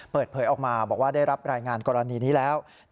เปิดเผยออกมาบอกว่าได้รับรายงานกรณีนี้แล้ว